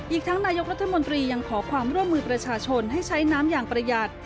อีกทั้งนายกรัฐมนตรียังขอความร่วมมือประชาชนให้ใช้น้ำอย่างประหยัด